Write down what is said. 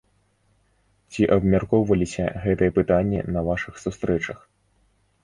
Ці абмяркоўваліся гэтыя пытанні на вашых сустрэчах?